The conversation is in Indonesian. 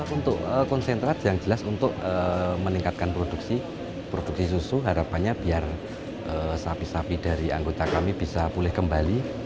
untuk konsentrat yang jelas untuk meningkatkan produksi produksi susu harapannya biar sapi sapi dari anggota kami bisa pulih kembali